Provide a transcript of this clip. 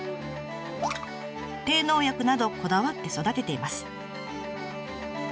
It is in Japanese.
低農薬などこだわって育てています。